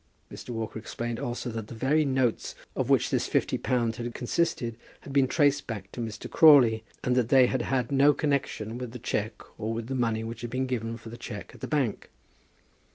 Mr. Walker explained also that the very notes of which this fifty pounds had consisted had been traced back to Mr. Crawley, and that they had had no connection with the cheque or with the money which had been given for the cheque at the bank.